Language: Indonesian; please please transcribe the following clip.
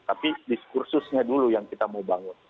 tapi diskursusnya dulu yang kita mau bangun